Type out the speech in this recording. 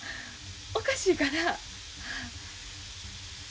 おかしいかな？